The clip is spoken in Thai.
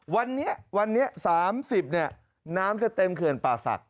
วันนี้วันนี้๓๐น้ำจะเต็มเขื่อนป่าศักดิ